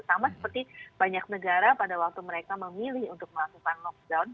sama seperti banyak negara pada waktu mereka memilih untuk melakukan lockdown